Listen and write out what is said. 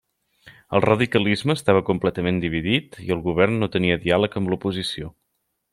El radicalisme estava completament dividit i el govern no tenia diàleg amb l'oposició.